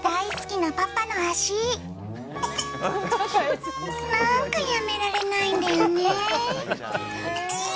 なんかやめられないんだよね。